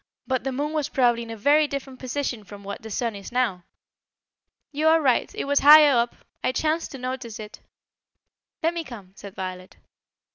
"But the moon was probably in a very different position from what the sun is now." "You are right; it was higher up; I chanced to notice it." "Let me come," said Violet.